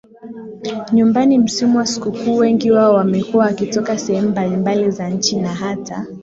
nyumbani msimu wa sikukuu Wengi wao wamekuwa wakitoka sehemu mbalimbali za nchi na hata